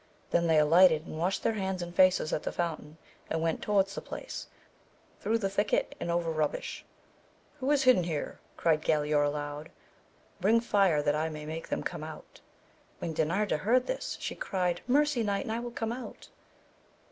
They then alighted and washed their hands and faces at the fountain, and went towards the place, through the thicket and over rubbish. Who is hidden here, AMADIS OF GAUL. 231 cried Galaor aloud, bring fire that I may make them come out. When Dinarda heard this, she cried, mercy knight and I will come out